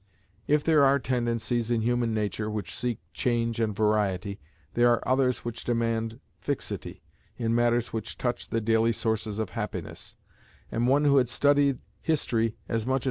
If there are tendencies in human nature which seek change and variety, there are others which demand fixity, in matters which touch the daily sources of happiness; and one who had studied history as much as M.